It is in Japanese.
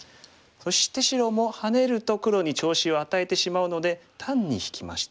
そして白もハネると黒に調子を与えてしまうので単に引きました。